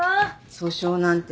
訴訟なんて